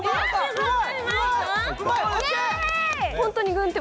すごい！